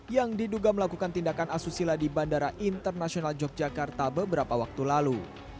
yang diduga melakukan tindakan asusila di bandara internasional yogyakarta beberapa waktu lalu